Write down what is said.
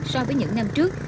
so với những năm trước